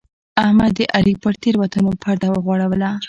احمد د علي پر تېروتنو پرده وغوړوله.